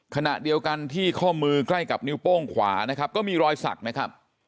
ขณะเดียวกันที่ข้อมือใกล้กับนิ้วโป้งขวานะครับก็มีรอยสักนะครับ